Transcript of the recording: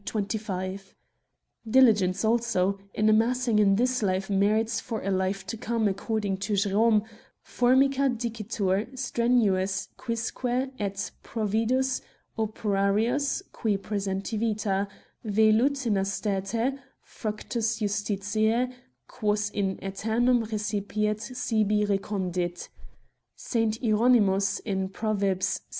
25); diligence, also, in amassing in this life merits for a life to come according to Jerome :* Formica dicitur strenuus quisque et providus operarius, qui presenti vita, velut in aestate, fructus justitiae, quos in aeternum recipiet, sibi recondit ' (S. Hieron., in Prov. vi.)